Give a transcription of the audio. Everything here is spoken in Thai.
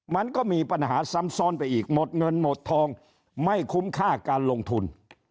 มันก็มีปัญหาซ้ำซ้อนไปอีกหมดเงินหมดทองไม่คุ้มค่าการลงทุน